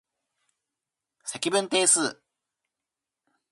積分定数